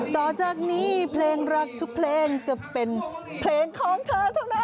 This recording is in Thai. ต่อจากนี้เพลงรักทุกเพลงจะเป็นเพลงของเธอเท่านั้น